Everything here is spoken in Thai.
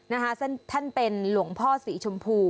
หลวงพ่อพระร่วงเนี่ยนะคะท่านเป็นหลวงพ่อศรีชมพู